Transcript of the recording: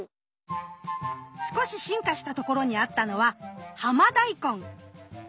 少し進化した所にあったのはハマダイコン。